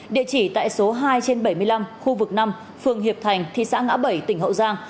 địa chỉ tại số hai trên bảy mươi năm khu vực năm phường hiệp thành thị xã ngã bảy tỉnh hậu giang